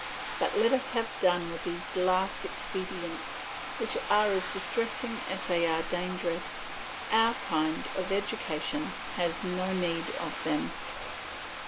But let us have done with these last expedients, which are as distressing as they are dangerous; our kind of education has no need of them.